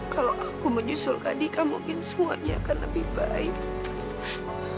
kalau aku menyusul kardika mungkin semuanya akan lebih baik